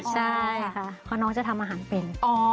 ใช่ค่ะเพราะน้องจะทำอาหารเป็น